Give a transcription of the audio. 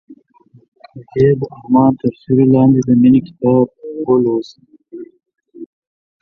هغې د آرمان تر سیوري لاندې د مینې کتاب ولوست.